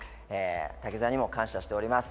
滝沢にも感謝をしております。